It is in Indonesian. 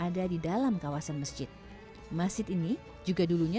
jadi sejak itu bukan hanya